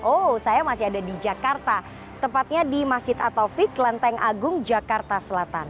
oh saya masih ada di jakarta tempatnya di masjid ataufik lanteng agung jakarta selatan